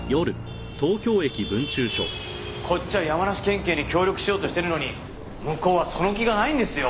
こっちは山梨県警に協力しようとしてるのに向こうはその気がないんですよ。